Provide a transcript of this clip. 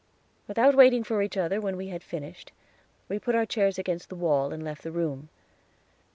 Without waiting for each other when we had finished, we put our chairs against the wall and left the room.